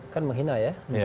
kan menghina ya